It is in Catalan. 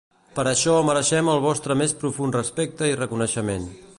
Per això mereixem el vostre més profund respecte i reconeixement.